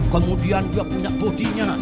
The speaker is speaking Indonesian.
kemudian dia punya bodinya